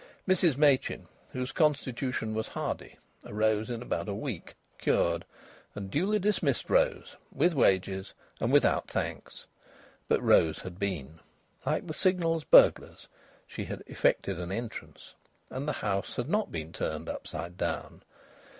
Mrs Machin, whose constitution was hardy, arose in about a week, cured, and duly dismissed Rose with wages and without thanks. But Rose had been. Like the Signal's burglars, she had "effected an entrance." And the house had not been turned upside down.